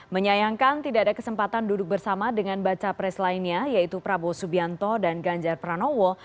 menyayangkan tidak ada kesempatan duduk bersama dengan baca pres lainnya yaitu prabowo subianto dan ganjar pranowo